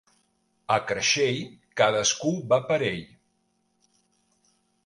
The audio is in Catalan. A Creixell, cadascú va per ell.